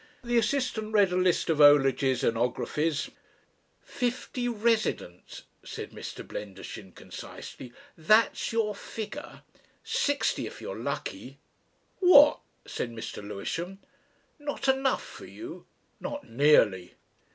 The assistant read a list of 'ologies and 'ographies. "Fifty resident," said Mr. Blendershin concisely "that's your figure. Sixty, if you're lucky." "What?" said Mr. Lewisham. "Not enough for you?" "Not nearly."